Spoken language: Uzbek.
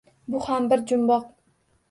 Bu ham bir jumboq.